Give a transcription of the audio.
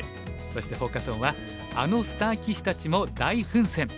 そしてフォーカス・オンは「あのスター棋士たちも大奮戦！